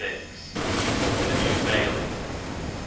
— THE NEW BAILEY.